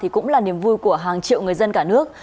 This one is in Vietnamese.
cũng là niềm vui của hàng triệu người dân cả nước